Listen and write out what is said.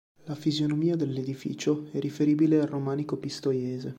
La fisionomia dell'edificio è riferibile al romanico pistoiese.